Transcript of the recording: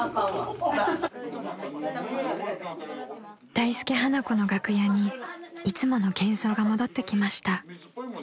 ［大助・花子の楽屋にいつものけんそうが戻ってきました］